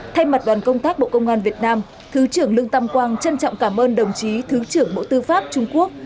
thay mặt đoàn công tác bộ công an việt nam thứ trưởng lương tâm quang trân trọng cảm ơn đồng chí thứ trưởng bộ tư pháp trung quốc